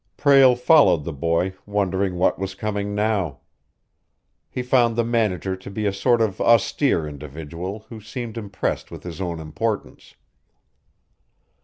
Prale followed the boy, wondering what was coming now. He found the manager to be a sort of austere individual who seemed impressed with his own importance.